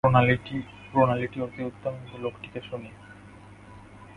প্রণালীটি অতি উত্তম, কিন্তু লোকটি কে শুনি।